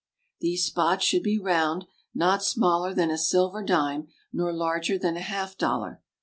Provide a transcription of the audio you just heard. These spots should be round, not smaller than a silver dime, nor larger than a half dollar.